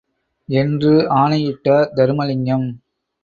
என்று ஆணையிட்டார் தருமலிங்கம்.